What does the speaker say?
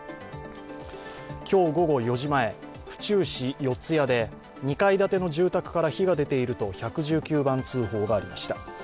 今日午後４時前、府中市四谷で２階建ての住宅から火が出ていると１１９番通報がありました。